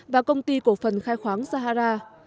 và công ty cổ phần khai khoáng sahara